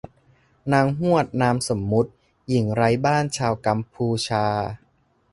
นางฮวด นามสมมติ หญิงไร้บ้านชาวกัมพูชา